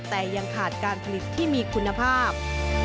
แต่ยังขาดการผลิตที่มีคุณภาพ